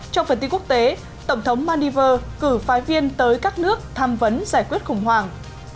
trong phần tin quốc tế tổng thống maldiver cử phái viên tới các nước tham vấn giải quyết khủng hoảng